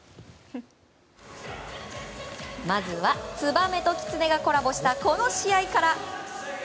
まずはツバメとキツネがコラボしたこの試合から。